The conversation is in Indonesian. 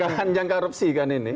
ini kan yang korupsi kan ini